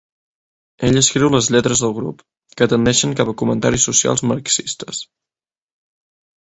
Ella escriu les lletres del grup, que tendeixen cap a comentaris socials marxistes.